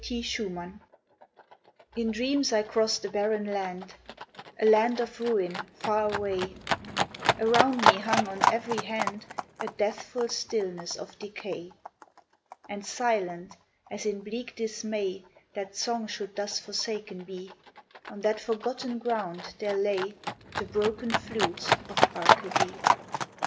T. Schumann.) In dreams I crossed a barren land, A land of ruin, far away; Around me hung on every hand A deathful stillness of decay; And silent, as in bleak dismay That song should thus forsaken be, On that forgotten ground there lay The broken flutes of Arcady.